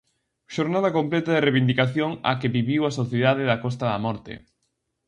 Xornada completa de reivindicación a que viviu a sociedade da Costa da Morte.